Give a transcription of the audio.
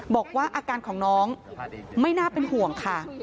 บอกว่าอาการของน้องไม่น่าเป็นห่วงค่ะ